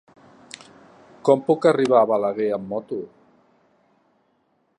Com puc arribar a Balaguer amb moto?